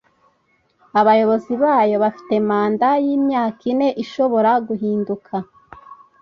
abayobozi bayo bafite manda y imyaka ine ishobora guhinduka